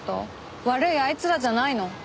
悪いあいつらじゃないの？